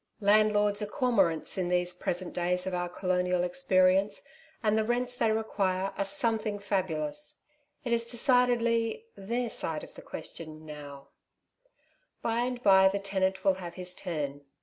Landlords are cormorants in these pre sent days of our colonial experience, and the rents they require are something fabulous. It is decidedly ^' their side of the question '^ now, 'By and by the tenant will have his turn.